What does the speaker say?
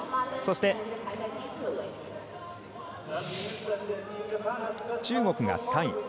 そして、中国が３位。